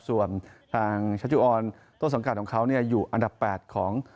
ส่วนทางชัชจุออนต้นสังกัดของเขาอยู่อันดับ๘ของ